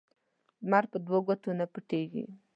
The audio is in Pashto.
لمر په دوو گوتو نه پټېږي.